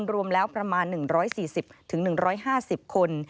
รวมแล้วประมาณ๑๔๐๑๕๐คน